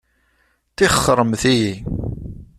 Tixxṛemt-iyi!